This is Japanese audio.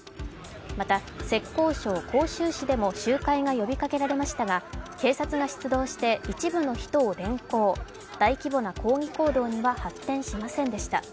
また浙江省杭州市でも集会が呼びかけられましたが警察が出動して、一部の人を連行、大規模な抗議行動には発展しませんでした。